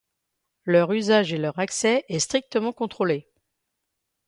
Leur usage et leur accès est strictement contrôlé.